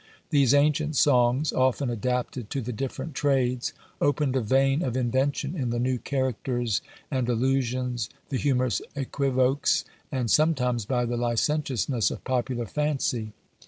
These ancient songs, often adapted to the different trades, opened a vein of invention in the new characters, and allusions, the humorous equivoques, and, sometimes, by the licentiousness of popular fancy.